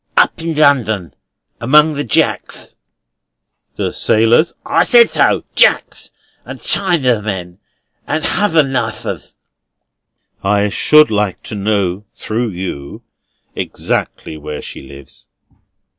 "Up in London. Among the Jacks." "The sailors?" "I said so; Jacks; and Chayner men: and hother Knifers." "I should like to know, through you, exactly where she lives."